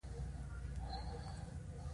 په پخوا وخت کې انسان یو بېارزښته موجود و.